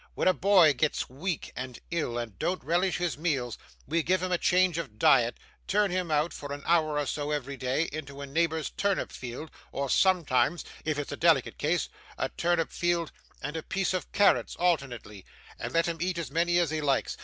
'When a boy gets weak and ill and don't relish his meals, we give him a change of diet turn him out, for an hour or so every day, into a neighbour's turnip field, or sometimes, if it's a delicate case, a turnip field and a piece of carrots alternately, and let him eat as many as he likes.